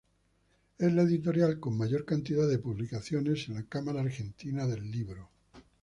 Es la editorial con mayor cantidad de publicaciones en la Cámara Argentina del Libro.